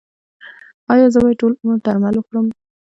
ایا زه باید ټول عمر درمل وخورم؟